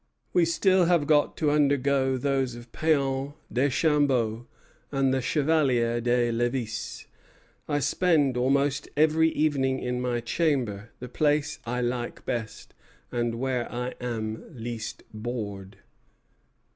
We still have got to undergo those of Péan, Deschambault, and the Chevalier de Lévis. I spend almost every evening in my chamber, the place I like best, and where I am least bored."